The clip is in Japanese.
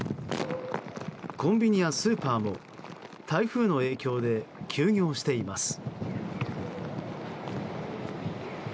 コンビニやスーパーも台風の影響で休業しています。